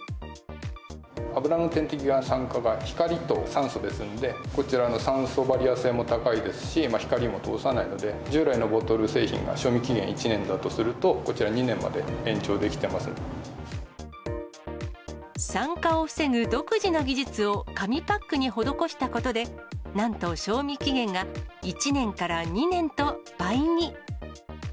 油の天敵が酸化が、光と酸素ですので、こちらの酸素バリア性も高いですし、光も通さないので、従来のボトル製品が賞味期限１年だとすると、こちら２年まで延長酸化を防ぐ独自の技術を紙パックに施したことで、なんと賞味期限が１年から２年と倍に。